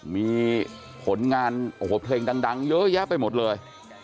มีผลงานโอ้โหเพลงดังเยอะแยะไปหมดเลย